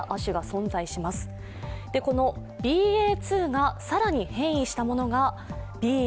ＢＡ．２が更に変異したものがＢＡ